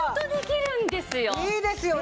いいですよね。